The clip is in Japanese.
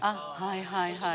はいはいはい。